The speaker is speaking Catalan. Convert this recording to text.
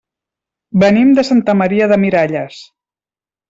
Venim de Santa Maria de Miralles.